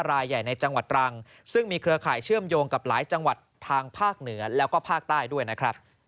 รายใหญ่ในจังหวัดตรังซึ่งมีเครือข่ายเชื่อมโยงกับหลายจังหวัดทางภาคเหนือแล้วก็ภาคใต้ด้วยนะครับ